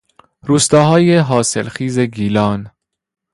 روستاهای حاصلخیز گیلان